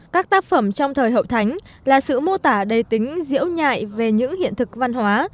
các tác phẩm trong thời hậu thánh là sự mô tả đầy tính diễu nhại về những hiện thực văn hóa